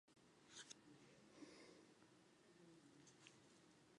澳大利亚采用的是强制投票的方式。